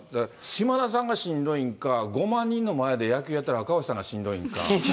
島田さんがしんどいんか、５万人の前で野球やってる赤星さんがしんどいのか。